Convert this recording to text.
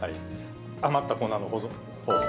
余った粉の保存方法。